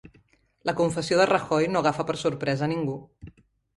La confessió de Rajoy no agafa per sorpresa a ningú